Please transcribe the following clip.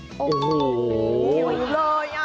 โอ้โหคิดเลยอ่ะ